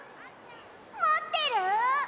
もってる？